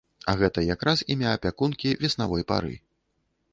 А гэта якраз імя апякункі веснавой пары.